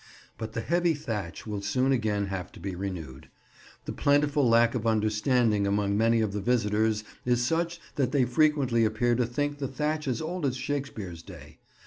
But the heavy thatch will soon again have to be renewed. The plentiful lack of understanding among many of the visitors is such that they frequently appear to think the thatch as old as Shakespeare's day.